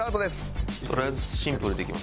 とりあえずシンプルでいきます。